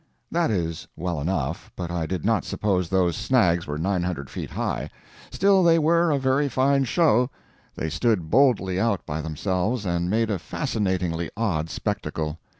That is well enough, but I did not suppose those snags were 900 feet high. Still they were a very fine show. They stood boldly out by themselves, and made a fascinatingly odd spectacle.